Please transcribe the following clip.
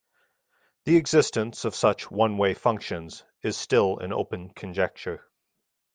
The existence of such one-way functions is still an open conjecture.